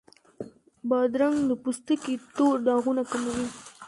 بادرنګ د پوستکي تور داغونه کموي.